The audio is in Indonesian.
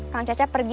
kang cecep pergi